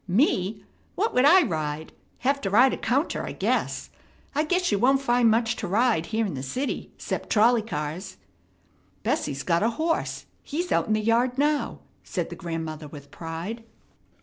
"Me? What would I ride? Have to ride a counter, I guess. I guess you won't find much to ride here in the city, 'cept trolley cars." "Bessie's got a horse. He's out in the yard now," said the grandmother with pride.